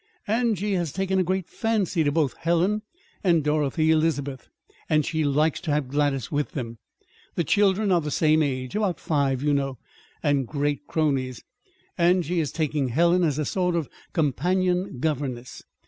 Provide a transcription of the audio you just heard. Angie has taken a great fancy to both Helen and Dorothy Elizabeth, and she likes to have Gladys with them. The children are the same age about five, you know and great cronies. Angie is taking Helen as a sort of companion governess.